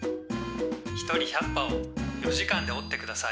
一人１００羽を４時間で折ってください」。